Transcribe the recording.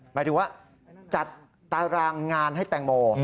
หมายถึงว่าจัดตารางงานให้แตงโม